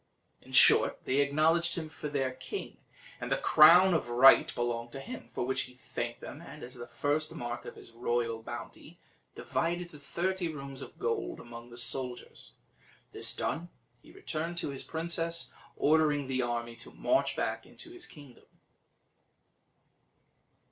In short, they acknowledged him for their king, and that the crown of right belonged to him, for which he thanked them, and, as the first mark of his royal bounty, divided the thirty rooms of gold among the soldiers. This done, he returned to his princess, ordering the army to march back into his kingdom.